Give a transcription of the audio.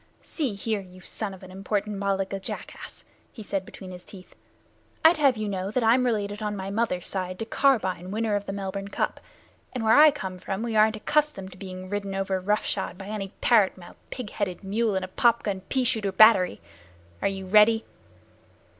"See here, you son of an imported Malaga jackass," he said between his teeth, "I'd have you know that I'm related on my mother's side to Carbine, winner of the Melbourne Cup, and where I come from we aren't accustomed to being ridden over roughshod by any parrot mouthed, pig headed mule in a pop gun pea shooter battery. Are you ready?"